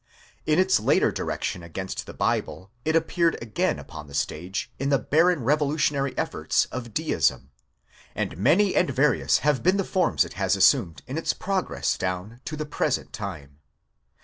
In its later direction against the Bible, it appeared again upon the stage in the barren revolutionary efforts of deism ; and many and various have been the forms it has assumed in its progress down to the present time.